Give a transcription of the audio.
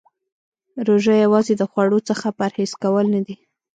روژه یوازې د خوړو څخه پرهیز کول نه دی .